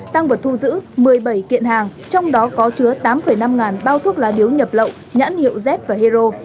tăng vật thu giữ một mươi bảy kiện hàng trong đó có chứa tám năm ngàn bao thuốc lá điếu nhập lậu nhãn hiệu z và hero